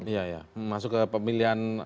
iya ya masuk ke pemilihan